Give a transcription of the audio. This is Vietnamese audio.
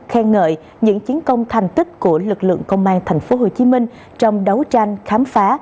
khen ngợi những chiến công thành tích của lực lượng công an tp hcm trong đấu tranh khám phá